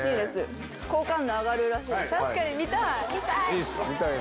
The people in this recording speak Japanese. ・確かに見たい！